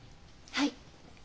はい。